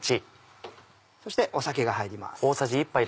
そして酒が入ります。